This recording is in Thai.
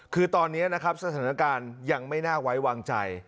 คือตอนนี้นะครับสถานการณ์ยังไม่น่าไว้วางใจ